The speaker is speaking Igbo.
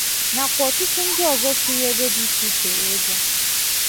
nakwa ọtụtụ ndị ọzọ siri ebe dị iche iche wee bịa.